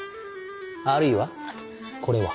あるいはこれは？